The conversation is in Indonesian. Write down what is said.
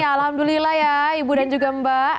alhamdulillah ya ibu dan juga mbak